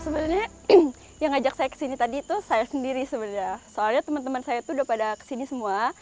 sebenarnya yang ngajak saya kesini tadi itu saya sendiri sebenarnya soalnya teman teman saya itu udah pada kesini semua